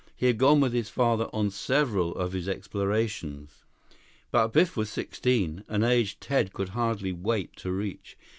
He had gone with his father on several of his explorations. But Biff was sixteen, an age Ted could hardly wait to reach.